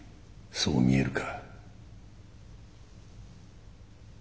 そう見えるか？